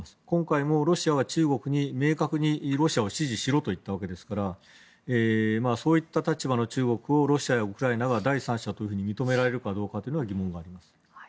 今回もロシアは中国に明確にロシアを支持しろと言ったわけですからそういった立場の中国をロシアやウクライナが第三者と認められるかどうかは疑問があります。